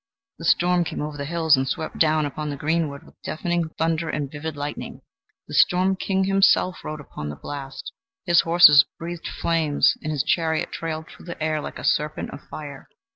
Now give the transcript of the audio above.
The storm came over the hills and swept down upon the greenwood with deafening thunder and vivid lightning. The storm king himself rode upon the blast; his horses breathed flames, and his chariot trailed through the air like a serpent of fire.